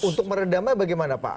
untuk meredamnya bagaimana pak